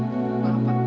pak pak pak